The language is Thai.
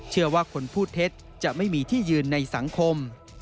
เชื่อว่าคนพูดเท็จจะไม่มีที่ยืนในสังคม